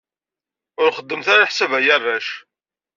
Ur xeddmet ara lḥess ay arrac.